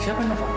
siapa ini pak